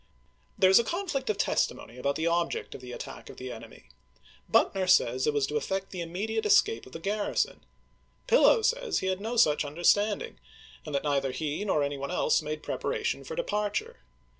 There is a conflict of testimony about the object of the attack of the enemy. Buck ner says it was to effect the immediate escape of the garrison ; Pillow says he had no such understand ing, and that neither he nor any one else made prep aration for departure.